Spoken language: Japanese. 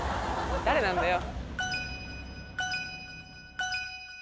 誰なんだよ。